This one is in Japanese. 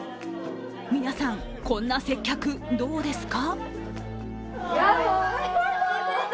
皆さん、こんな接客どうですか？